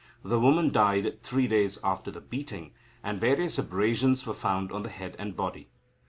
The woman died three days after the beating, and various abrasions were found on the head and body.